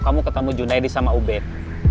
kamu ketemu junaedy sama ubet